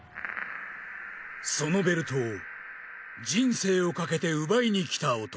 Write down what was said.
そのベルトを人生をかけて奪いにきた男。